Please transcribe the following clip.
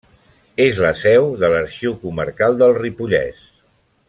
És la seu de l'Arxiu Comarcal del Ripollès.